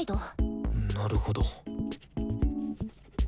なるほど。